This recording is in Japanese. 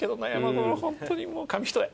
これ本当にもう紙一重。